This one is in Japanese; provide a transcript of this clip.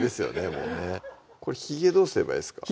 もうねひげどうすればいいですか？